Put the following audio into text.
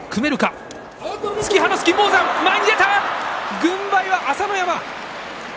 軍配は朝乃山です。